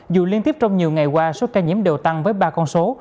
dù liên tiếp trong nhiều ngày qua số ca nhiễm đều tăng với ba con số